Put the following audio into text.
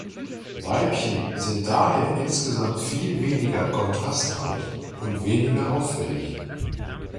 Weibchen sind daher insgesamt viel weniger kontrastreich und weniger auffällig.